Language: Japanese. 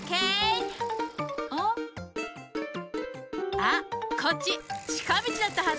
あっこっちちかみちだったはず！